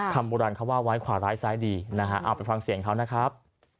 ค่ะคำบุรันท์เขาว่าไว้ขวางไร้ซ้ายดีนะฮะเอาไปฟังเสียงเขานะครับ